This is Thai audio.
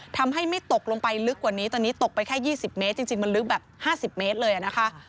ทำให้ไม่ตกลงไปลึกกว่านี้ตอนนี้ตกไปแค่๒๐เมตรจริงมันลึกแบบ๕๐เมตรเลยนะคะ